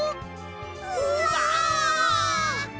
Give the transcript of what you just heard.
うわ！